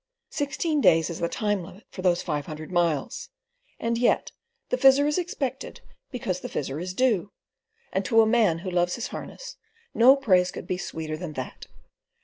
Sixteen days is the time limit for those five hundred miles, and yet the Fizzer is expected because the Fizzer is due; and to a man who loves his harness no praise could be sweeter than that.